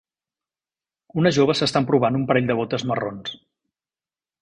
Una jove s'està emprovant un parell de botes marrons.